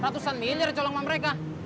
ratusan miliar tolong sama mereka